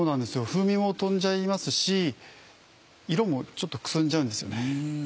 風味も飛んじゃいますし色もちょっとくすんじゃうんですよね。